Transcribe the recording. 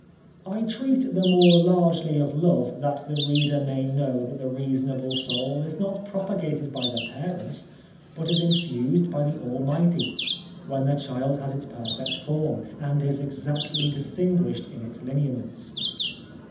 I treat the more largely of love that the reader may know that the reasonable soul is not propagated by the parents, but is infused by the Almighty, when the child has its perfect form, and is exactly distinguished in its lineaments.